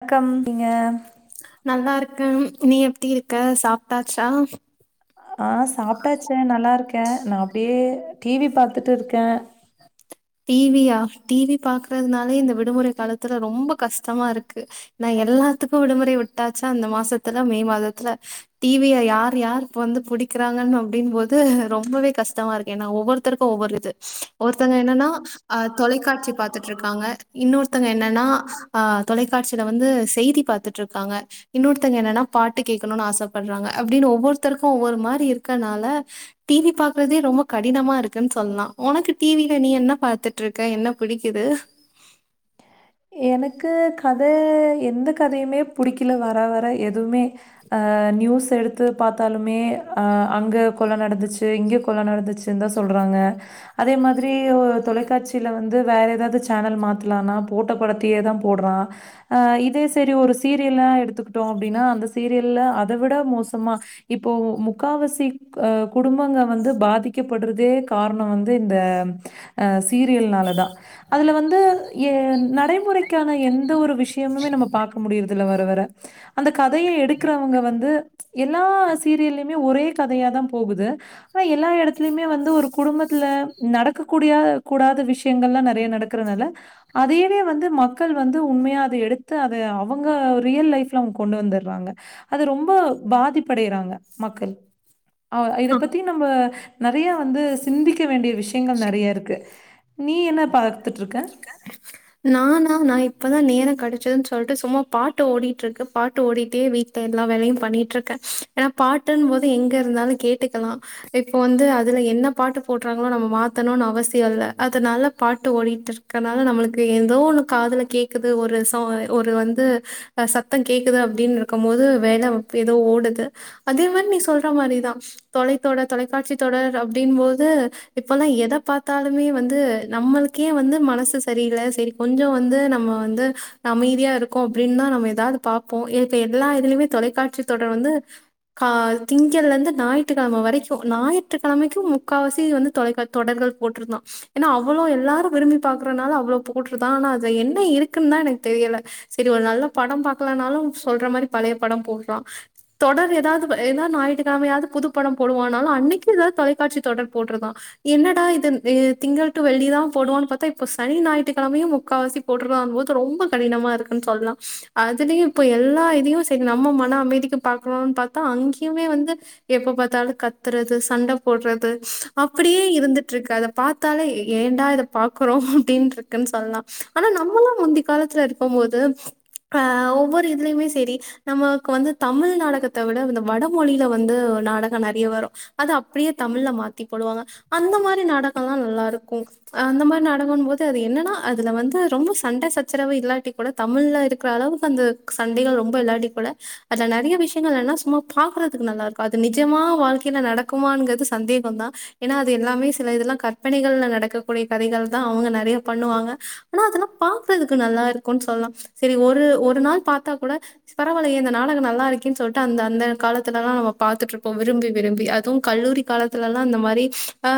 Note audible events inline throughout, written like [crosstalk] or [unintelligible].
[unintelligible] நீங்க நல்லாருக்கேன் நீ எப்டி இருக்க சாப்ட்டாச்சா ஆ சாப்ட்டாச்சே நல்லா இருக்கேன் நான் அப்டியே டி வி பாத்துட்டு இருக்கேன் டி வியா டி வி பாக்குறதுனாலே இந்த விடுமுறை காலத்துல ரொம்ப கஷ்டமாருக்கு நான் எல்லாத்துக்கும் விடுமுறை விட்டாச்சா அந்த மாசத்துல மே மாதத்துல டி விய யார் யார் இப்ப வந்து பிடிக்கிறாங்கன்னு அப்டின் போது ரொம்பவே கஷ்டமா இருக்கு ஏன்னா ஒவ்வொருத் இருக்க ஒவ்வொரு இது ஒருத்தவங்க என்னன்னா அ தொலைக்காட்சி பாத்துட்டு இருக்காங்க இன்னொருத்தவுங்க என்னன்னா அ தொலைக்காட்சியில வந்து செய்தி பாத்து இருக்காங்க இன்னொருத்தவங்க என்னன்னா பாட்டு கேக்கணும்னு ஆசைப்படுறாங்க அப்டின்னு ஒவ்வொருத்தருக்கும் ஒவ்வொரு மாரி இருக்கனால டி வி பாக்குறதே ரொம்ப கடினமா இருக்குன்னு சொல்லலாம் உனக்கு டி வில நீ என்ன பாத்துட்டு இருக்க என்ன பிடிக்குது எனக்கு கதை எந்த கதையுமே புடிக்கல வர வர எதுவுமே நியூஸ் எடுத்து பாத்தாலுமே அங்கே கொள்ள நடந்துச்சு இங்கே கொள்ள நடந்துச்சு [unintelligible] சொல்றாங்க அதே மாரி தொலைக்காட்சியில வந்து வேற ஏதாவது சேனல் மாத்தலாம்னா போட்டப்படத்தேயே தான் போடுறான் இதே செரி ஒரு சீரியல் எடுத்துக்கிட்டோம் அப்டின்னா அந்த சீரியலில் அதை விட மோசமாக இப்போ முக்காவசி அ குடும்பங்க வந்து பாதிக்கப்படுறதே காரணம் வந்து இந்த அ சீரியல்னால தா அதுல வந்து ஏ நடைமுறைக்கான எந்த ஒரு விஷயமுமே நம்ம பாக்க முடியுறதில்ல வர வர அந்த கதைய எடுக்குறவுங்க வந்து எல்லா சீரியல்லயுமே ஒரே கதையாதா போகுது ஆனா எல்லா எடத்துலயுமே வந்து ஒரு குடும்பத்துல நடக்க கூடியா கூடாத விஷயங்கள்லா நெறைய நடக்கறனால அதையே அதையே வந்து மக்கள் வந்து உண்மையா அத எடுத்து அத அவங்க ரியல் லைஃப்ல அவுங்க கொண்டு வந்தற்றாங்க அது ரொம்ப பாதிப்படையறாங்க மக்கள் அ இத பத்தி நம்ப நெறையா வந்து சிந்திக்க வேண்டிய விஷயங்கள் நெறைய இருக்கு நீ என்ன பாத்துட்ருக்க நானா நா இப்பதா நேரொ கெடச்சதுன் சொல்ட்டு சும்மா பாட்டு ஓடிட்டு இருக்கு பாட்டு ஓடிட்டே வீட்ல எல்லா வேலையு பண்ணிட்ருக்கே ஏனா பாட்டுன்போது எங்க இருந்தாலு கேட்டுக்கலா இப்போ வந்து அதுல என்ன பாட்டு போட்றாங்களோ நம்ம மாத்தணுனு அவசியோ இல்ல அதனால பாட்டு ஓடிட்டுர் க்கனால நம்மளுக்கு ஏதோ ஒண்ணு காதுல கேக்குது ஒரு சோ ஒரு வந்து அ சத்தம் கேக்குது அப்டின் இருக்கும்போது வேல எதோ ஓடுது அதேமாரி நீ சொல்ற மாரிதா தொலைத்தொடர் தொலைக்காட்சி தொடர் அப்டின்போது இப்பல்லா எத பாத்தாலுமே வந்து நம்மளுக்கே வந்து மனசு சரி இல்ல சேரி கொஞ்சோ வந்து நம்ம வந்து அமைதியா இருக்கோ அப்டின்தா நம்ம ஏதாவது பா ப்போ ஏத்த எல்லா இதுலயுமே தொலைக்காட்சி தொடர் வந்து கால் திங்கள்லந்து நாய்த்துக்கெழம வரைக்கு நாய்த்துக்கெழமைக்கு முக்கா வாசி வந்து தொலைக்கா தொடர்கள் போட்ருந்தா எனா அவ்ளோ எல்லாரு விரும்பி பாக்குறனால அவ்ளோ போட்றுதா ஆனா அத என்ன இருக்குன்னா எனக்கு தெரியல சரி ஒரு நல்ல படொ பாக்கலானாலு சொல்ற மாரி பழைய படம் போற்றா தொடர் ஏதாவது எனா நாய்த்துக்கெழமையாவது புதுப்படம் போடுவானாலு அன்னைக்கு ஏதாவது தொலைக்காட்சி தொடர் போட்ருதா என்னடா இது எ திங்கள் டு வெள்ளி தா போடுவான் பாத்தா இப்ப சனி நாயிட்டு கெழமையு முக்காவாசி போட்றாமோது ரொம்ப கடினமா இருக்குன் சொல்லலா அதுலயு இப்போ எல்லா இதையு சரி நம்ம மன அமைதிக்கு பாக்கணுனு பாத்தா அங்கயுமே வந்து எப்ப பாத்தாலு கத்துறது சண்ட போட்றது அப்டியே இருந்துட்டு இருக்கு அத பாத்தாலே ஏன்டா இத பாக்குறோ அப்டின்றுக் குன் சொல்லலா ஆனா நம்மல்லா முந்தி காலத்துல இருக்கும் போது ஆ ஒவ்வொரு இதுலயுமே சேரி நமக்கு வந்து தமிழ் நாடகத்த விட இந்த வடமொழில வந்து நாடக நெறைய வரு அத அப்டியே தமிழ்ல மாத்தி போடுவாங்க அந்த மாரி நாடகல்லா நல்லாருக்கு அந்த மாரி நாடகன்போது அது என்னன்னா அதுல வந்து ரொம்ப சண்ட சச்சரவு இல்லாட்டி கூட தமிழ்ல இருக்குற அளவுக்கு அந்து சண்டைகள் ரொம்ப இல்லாட்டி கூட அதுல நெறைய விஷயங்கள் என்னா சும்மா பாக்குறதுக்கு நல்லாருக்கு அது நிஜமா வாழ்க்கைல நடக்குமாங்றது சந்தேகோந்தா ஏனா அது எல்லாமே சில இதுல்லா கற்பனைகள்ல நடக்கக்கூடிய கதைகள் தா அவங்க நெறையா பண்ணுவாங்க ஆனா அதல்லா பாக்குறதுக்கு நல்லா இருக்குன் சொல்லலா சரி ஒரு ஒரு நாள் பாத்தா கூட பரவாலயே இந்த நாடக நல்லா இருக்கேன் சொல்ட்டு அந்த அந்த காலத்துலல்லா நம்ம பாத்துட்ருப்போ விரும்பி விரும்பி அதுவு கல்லூரி காலத்துலல்லா அந்த மாரி ஆ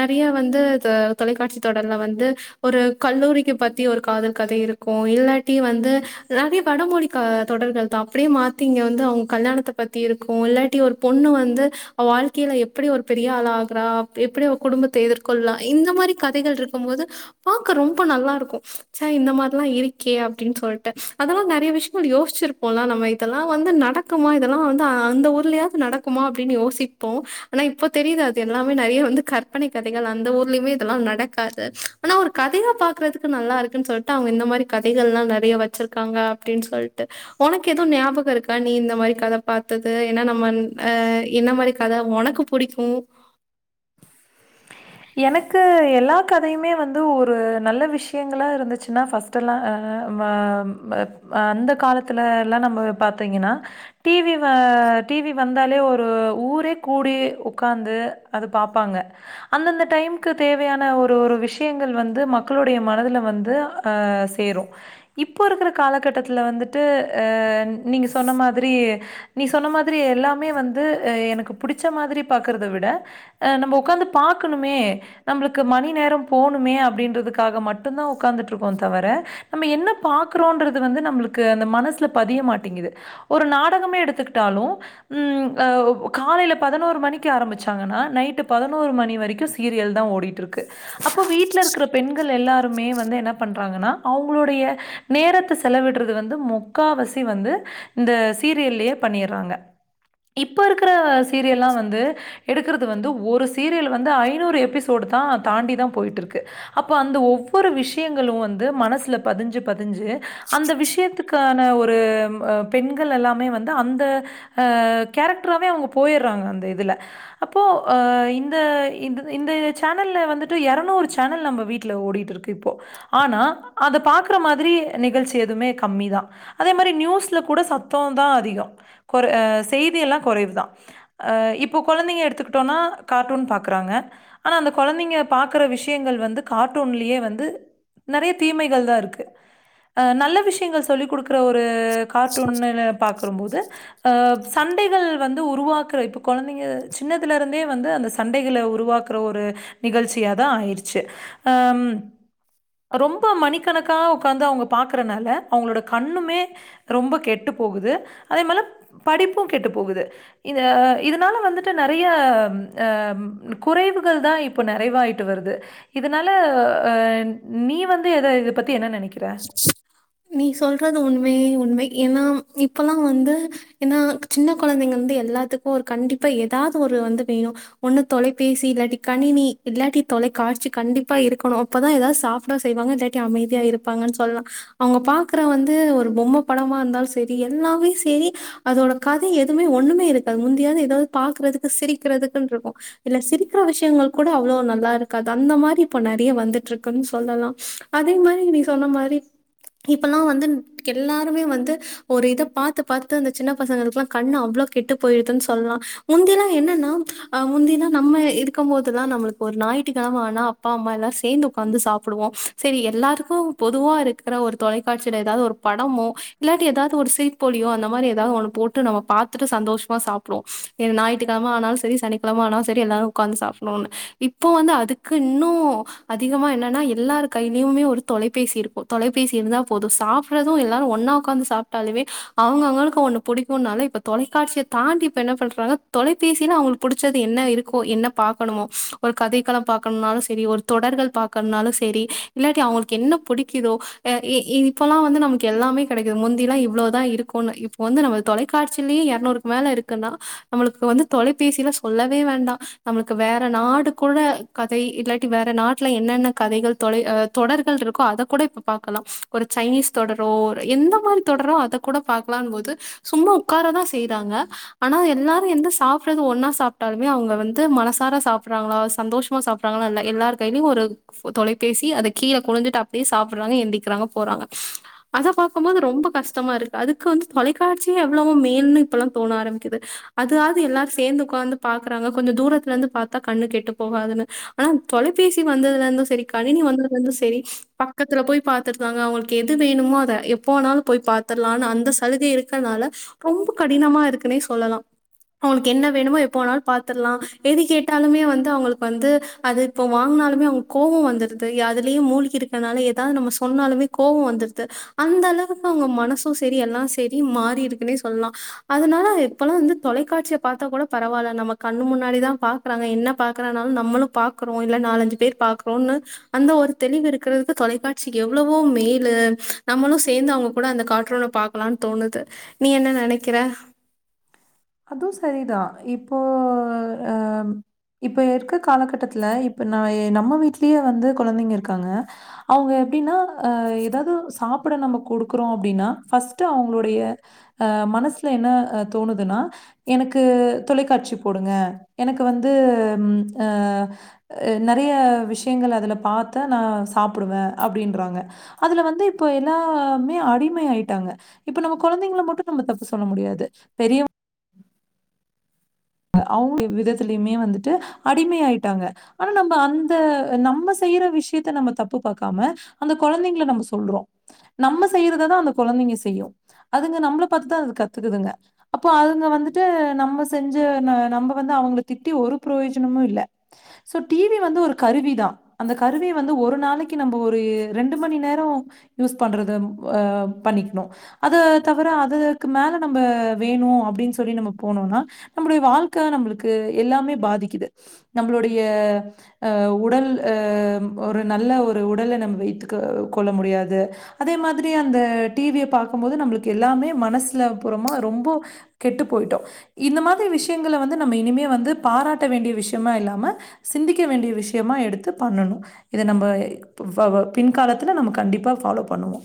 நெறைய வந்து து தொலைக்காட்சி தொடர்ல வந்து ஒரு கல்லூரிக்கு பத்தி ஒரு காதல் கதை இருக்கு இல்லாட்டி வந்து நெறய வடமொழி க தொடர்கள் தா அப்டியே மாத்தி இங்க வந்து அவுங்க கல்யாணத்த பத்தி இருக்கு இல்லாட்டி ஒரு பொண்ணு வந்து அவவாழ்க்கைய்ல எப்டி ஒரு பெரிய ஆளாகுறா எப்டி அவ குடும்பத்த எதிர்கொள்லா இந்த மாரி கதைகள் இருக் ம்போது பாக்க ரொம்ப நல்லாருக்கு சா இந்த மாரில்லா இருக்கே அப்டின் சொல்ட்டு அதெல்லா நெறைய விஷயங்கள் யோசிச்சிரு போலா நம்ம இதெல்லா வந்து நடக்குமா இதெல்லா வந்து அந்த ஊர்லயாவது நடக்குமா அப்டின் யோசிப்போ ஆனா இப்ப தெரியுது அது எல்லாமே நெறைய வந்து கற்பனை கதைகள் அந்த ஊர்லயுமே இதெல்லா நடக்காது ஆனா ஒரு கதையா பாக்குறதுக்கு நல்லா இருக்குன் சொல்ட்டு அவங்க இந்த மாரி கதைகள்லா நெறையா வச்சிருக்காங்க அப்படின் சொல்ட்டு உனக்கு எது ஞாபக இருக்கா நீ இந்த மாரி கத பாத்தது ஏன்னா நம்மன் அ என்ன மாரி கத உனக்கு புடிக்கு எனக்கு எல்லா கதையுமே வந்து ஒரு நல்ல விஷயங்களா இருந்துச்சுன்னா ஃபஸ் ட்டலா அ வம் அ அந்த காலத்துல எல்லா நம்ம பாத்தீங்கன்னா டீவிவ டீவி வந்தாலே ஒரு ஊரே கூடி உக்காந்து அது பாப்பாங்க அந்தந்த டைம்க்கு தேவையான ஒரு ஒரு விஷயங்கள் வந்து மக்களுடைய மனதுல வந்து அ சேரு இப்போ இருக்கற காலகட்டத்துல வந்துட்டு அ நீங்க சொன்ன மாரி நீ சொன்ன மாதிரி எல்லாமே வந்து அ எனக்கு புடிச்ச மாதிரி பாக்கறத விட அ நம்ம உக்காந்து பாக்கணுமே நம்பளுக்கு மணி நேரம் போணுமே அப்படின்றதுக்காக மட்டுதா உக்கார்ந்துட்ருக்கோ தவர நம்ம என்ன பாக்குறோன்றது வந்து நம்மளுக்கு அந்த மனசுல பதிய மாட்டேங்குது ஒரு நாடகமே எடுத்துக்கிட்டாலு ம் அ காலையில பதினோரு மணிக்கு ஆரம்பிச்சாங்கன்னா நைட்டு பதினோ ம்போது மணி வரைக்கு சீரியல் தா ஓடிட்டு இருக்கு அப்போ வீட்டில இருக்கிற பெண்கள் எல்லாருமே வந்து என்ன பண்றாங்கன்னா அவங்களுடைய நேரத்த செலவிடுறது வந்து முக்காவாசி வந்து இந்த சீரியல்லயே பண்ணிறாங்க இப்ப இருக்கற சீரியல்லா வந்து எடுக்கிறது வந்து ஒரு சீரியல் வந்து ஐநூறு எபிசோடு தா தாண்டி தா போய்ட்டிருக்கு அப்ப அந்த ஒவ்வொரு விஷயங்களு வந்து மனசுல பதிஞ்சு பதிஞ்சு அந்த விஷயத்துக் க்கான ஒரு பெண்கள் எல்லாமே வந்து அந்த ஆ கேரக்ட்ராவே அவங்க போயிறாங்க அந்த இதுல அப்போ ஆ இந் த இந்த சேனல்ல வந்துட்டு எரநூறு சேனல் நம்ப வீட்ல ஓடிட்டு இருக்கு இப்போ ஆனா அத பாக்கற மாதிரி நிகழ்ச்சி எதுமே கம்மிதா அதே மாரி நியூஸ்ல கூட சத்தோ தா அதிகோ கொர ஆ செய்தி எல்லா குறைவுதா ஆ இப்போ கொழந்தைங்க எடுத்துக்குட்டோனா காட்டூன் பாக்கறாங்க ஆனா அந்த கொழந்தைங்க பாக்கற விஷயங்கள் வந்து காட்டூன்லயே வந்து நெறைய தீமைகள் தா இருக்கு அ நல்ல விஷயங்கள் சொல்லிக்குடுக் குற ஒரு காட்டூன்னப் பாக்றும்போது அப் சண்டைகள் வந்து உருவாக்குற இப்ப கொழந்தைங்க சின்னதுல இருந்தே வந்து அந்த சண்டைகள உருவாக்குற ஒரு நிகழ்ச்சியாதா ஆயிருச்சு அம் ரொம்ப மணிக்கணக்கா உக்காந்து அவங்க பாக்கறனால அவங்களோட கண்ணுமே ரொம்ப கெட்டு போகுது அதே மேல படிப்பு கெட்டு போகுது இத இதனால வந்துட்டு நிறைய ஆ குறைவுகள் தா இப்போ நிறைவாயிட்டு வருது இதனால நீ வந்து எத இத பத்தி என்ன நினைக்கிற நீ சொல்றது உண்மையே உண்மை ஏன்னா இப்பல்லா வந்து ஏன்னா சின்ன குழந்தைங்க வந்து எல்லாத்துக்கு ஒரு கண்டிப்பா எதாவது ஒரு வந்து வேணு ஒண்ணு தொலைபேசி இல்லாட்டி கணினி இல்லாட்டி தொலை காட்சி கண்டிப்பா இருக்கணு அப்பதா ஏதாது சாப்ட்டா செய்வாங்க இல்லாட்டி அமைதியா இருப்பாங்கன் சொல்லா அவங்க பாக்குற வந்து ஒரு பொம்ம படமா இருந்தாலு சரி எல்லாவையு செரி அதோட கதை எதுமே ஒண்ணுமே இருக்காது முந்தியாது ஏதாது பாக்குறதுக்கு சிரிக்கிறதுதுக்குன்ருக்கு இல்ல சிரிக்கிற விஷயங்கள் கூட அவ்ளவ் நல்லா இருக்காது அந்த மாரி இப்ப நெறைய வந்துட்ருக்குன் சொல்லலா அதே மாரி நீ சொன்ன மாரி இப்பல்லா வந்து எல்லாருமே வந்து ஒரு இத பாத்து பாத்து அந்த சின்ன பசங்களுக்கெல்லா கண்ணு அவ்ளோ கெட்டு போயிடுதுன்னு சொல்லா முந்திலா என்னன்னா அ முந்தினா நம்ம இருக்கும் போதுதா நம்மளுக் ஒரு ஞாயித்துக் கெழம ஆனா அப்பா அம்மா எல்லா சேந்து உக்காந்து சாப்புடுவோ சரி எல்லாருக்கு பொதுவா இருக்கிற ஒரு தொலைக்காச்சியில ஏதாது ஒரு படமோ இல்லாட்டி ஏதாது ஒரு சிரிப்பொலியோ அந்த மாரி ஏதாது ஒன்னு போட் ட்டு நம்ம பாத்துட்டு சந்தோஷமா சாப்பிடுவோ ஞாயுத்துக்கிழம ஆனாலு சரி சனிக்கிழம ஆனாலு சரி எல்லாரு உக்காந்து சாப்புட்ணுனு இப்போ வந்து அதுக்கு இன்னு அதிகமா என்னன்னா எல்லார் கையிலயுமே ஒரு தொலை பேசி இருப்பொ தொலைபேசி இருந்தா போது சாப்ட்டுறது எல்லாரு ஒன்னா உக்காந்து சாப்பிட்டாலுமே அவங்க அவங்களுக்கு ஒண்ணு புடிக்கும்னால இப்ப தொலைக்காட்சிய தாண்டி இப்ப என்ன பண்றாங்க தொலைபேசியில அவங்களுக்கு புடிச்சது என்ன இருக்கோ என்ன பாக்கணுமோ ஒரு கதைக்கலம் பாக்கணும்னாலு சரி ஒரு தொடர்கள் பாக் கனாலும் சரி இல்லாட்டி அவங்களுக்கு என்ன புடிக்குதோ இ இ இப்பல்லா வந்து நமக்கு எல்லாமே கெடக்குது முந்திலா இவ்ளதா இருக்குனு இப்ப வந்து நம்ம தொலை காட்சிலயு எரநூறுக்கு மேல இருக்குன்னா நம்மளுக்கு வந்து தொலைபேசில சொல்லவே வேண்டா நம்மளுக்கு வேற நாடு கூட கதை இல்லாட்டி வேற நாட்டுல என்னென்ன கதைகள் தொலை தொடர்கள் ருக் அத கூட இப்ப பாக்கலா ஒரு சைனீஸ் தொடரோ எந்த மாரி தொடரோ அத கூட பாக்கலானும் போது சும்மா உக்காரதா செய்றாங்க ஆனா எல்லாரு எந்து சாப்புட்றது ஒன்னா சாப்ட்டாலுமே அவங்க வந்து மனசார சாப்புட்றாங்ளா சந்தோஷமா சாப் ட்றாகளா இல்ல எல்லாரு கையிலு ஒரு தொலைபேசி அத கீழ குனுஞ்சுட்ட அப்டியே சாப்பிட்றாங்க எந்திக்கிறாங்க போறாங்க அத பாக்கும்போது ரொம்ப கஷ்டமா இருக்கு அதுக்கு வந்து தொலைக்காட்சியே எவ்ளவோ மேல்ன்னு இப்பெல்லா தோண ஆரம்பிக்குது அதாது எல்லாரு சேந்து உக்காந்து பாக்குறாங்க கொஞ்ச தூரத்துல ருந்து பாத்தா கண்ணு கெட்டு போகாதுன்னு ஆன தொலைபேசி வந்ததுலருந்து செரி கணினி வந்ததுல ருந்து செரி பக்கத்துல போய் பாத்தெடுத்தாங்க அவங்களுக்கு எது வேணுமோ அத எப்போ வேனாலு போய் பாத்துர்லானு அந்த சலுகை இருக்கறனால ரொம்ப கடினமா இருக்குன்னே சொல்லலா அவனுக்கு என்ன வேணுமோ எப்பவேணாலு பாத்துர்லா எது கேட்டாலுமே வந்து அவங்களுக் வந்து அது இப்ப வாங்கினாலுமே அவங்க் கோவ வந்துருது அதுலேயே மூழ்கி இருக் அதனால ஏதாது நம்ம சொன்னாலுமே கோவ வந்துற்து அந்த அளவுக்கு அவங்க மனசு செரி எல்லா செரி மாறி இருக்குன்னே சொல்லா அதனால இப்போலா வந்து தொலைக்காட்சிய பாத்தா கூட பரவால்ல நம்ம கண்ணு முன்னாடிதா பா க்கறாங்க என்ன பாக்கறனாலு நம்மளு பாக்குறோ இல்ல நாலஞ்சு பேர் பாகறோனு அந்த ஒரு தெளிவு இருக் இருக்கிறது தொலைக்காட்சிக்கு எவ்ளவோ மேலு நம்மளு சேந்து அவங்க கூட அந்த காட்ரூன பாக்கலானு தோணுது நீ என்ன நெனக்கிற அதுவ் சரிதா இப்போ அ இப்ப இருக்கற காலகட்டத்துல இப்ப நா நம்ம வீட்லயே வந்து கொழந்தைங்க இருக்காங்க அவங்க எப்டின்னா அ ஏதாது சாப்ட நம்ம குடுக்குறோ அப்டின்னா ஃபஸ்ட் அவங்களுடைய அ மனசுல என்ன தோணுதுன்னா எனக்கு தொலைக்காட்சி போடுங்க எனக்கு வந்து அ அ நெறைய விஷயங்கள் அதுல பாத்து நா சாப்புடுவ அப்டின்றாங்க அதுல வந்து இப்ப எல்லாமே அடிமை ஆயிட்டாங்க இப்ப நம்ம கொழந்தைங்கள மட்டும் நம்ம தப்பு சொல்ல முடியாது பெரிய அவங்க விதத்துலயுமே வந்துட்டு அடிமை ஆயிட்டாங்க ஆனா நம்ப அந்த நம்ம செய்யற விஷயத்த நம்ம தப்பு பாக்காம அந்த கொழந்தைங்கல நம்ம சொல்றோ நம்ம செய்யறத தா அந்த கொழந்தைங்க செய்யு அதுங்க நம்மல பாத்துதா அது கத்துக்குதுங்க அப்போ அவங்க வந்துட்டு நம்ம செஞ் சு நா நம்ப வந்து அவங்கல திட்டி ஒரு பிரயோஜனமு இல்ல சோ டிவி வந்து ஒரு கருவி தா அந்த கருவிய வந்து ஒரு நாளைக் கு நம்ம ஒரு ரெண்டு மணி நேரோ யூஸ் பண்றத ஆ பண்ணிக்கணு அத தவிர அதுக்கு மேல நம்ம வேணு அப்டின்னு சொல்லி நம்ம போனோம்னா நம்மளுடைய வாழ்க்கை நம்மளுக்கு எல்லாமே பாதிக்குது நம்மளுடைய அ உடல் அ ஒரு நல்ல ஒரு உடல நம்ம வைத்துக்க கொள்ள முடியாது அதே மாதிரி அந்த டிவிய பாக்கு போது நம்மளுக்கு எல்லாமே மனசுல அப்புறோமா ரொம்ப கெட்டு போயிட்டோ இந்த மாதிரி விஷயங்கல வந்து நம்ம இனிமே வந்து பாராட்ட வேண்டிய விஷயமா இல்லாம சிந்திக்க வேண்டிய விஷயமா எடுத்து பண்ணணு இத நம்ம வ பின்காலத்துல நம்ம கண்டிப்பா ஃபாலோ பண்ணுவோ